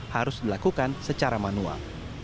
harus dilakukan secara manual